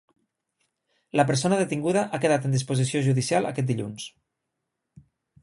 La persona detinguda ha quedat en disposició judicial aquest dilluns.